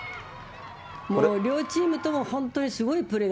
もう両チームとも本当にすごいプ